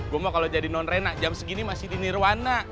gue mau kalau jadi non rena jam segini masih di nirwana